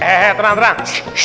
eh eh eh tenang tenang